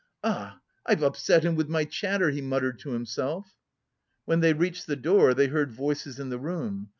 "Ah, I've upset him with my chatter!" he muttered to himself. When they reached the door they heard voices in the room.